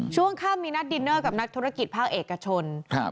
ช่วงค่ำมีนัดดินเนอร์กับนักธุรกิจภาคเอกชนครับ